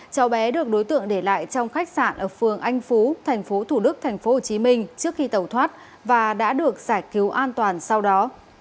cháu bé được đối tượng để lại trong khách sạn ở phường anh phú tp thủ đức tp hcm trước khi tàu thoát và đã được giải cứu an toàn sau đó